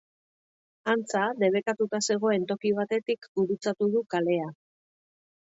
Antza, debekatuta zegoen toki batetik gurutzatu du kalea.